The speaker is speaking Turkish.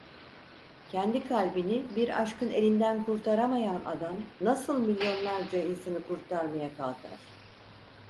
Kendi kalbini bir aşkın elinden kurtaramayan adam nasıl milyonlarca insanı kurtarmaya kalkar?